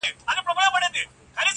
• که هر څومره له انسانه سره لوی سي -